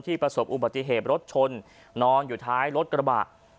ประสบอุบัติเหตุรถชนนอนอยู่ท้ายรถกระบะ